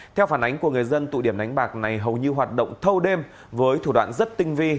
theo phản ánh của người dân tụ điểm đánh bạc này hầu như hoạt động thâu đêm với thủ đoạn rất tinh vi